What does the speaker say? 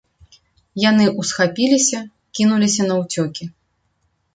Яны ўсхапіліся, кінуліся наўцёкі.